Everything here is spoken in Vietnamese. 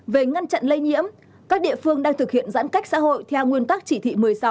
về ngăn chặn lây nhiễm các địa phương đang thực hiện giãn cách xã hội theo nguyên tắc chỉ thị một mươi sáu